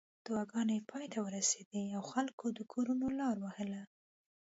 دعاګانې پای ته ورسېدې او خلکو د کورونو لار وهله.